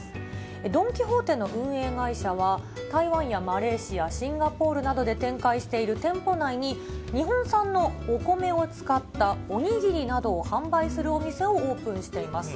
ドン・キホーテの運営会社は、台湾やマレーシア、シンガポールなどで展開している店舗内に、日本産のお米を使ったお握りなどを販売するお店をオープンしています。